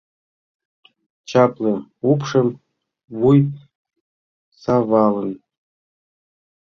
Чапле упшым, вуй савалын